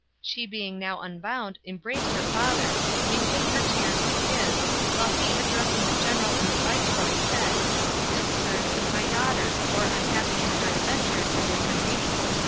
She being now unbound embraced her father, mingling her tears with his, while he addressing the general and the viceroy said, "This, sirs, is my daughter, more unhappy in her adventures than in her name.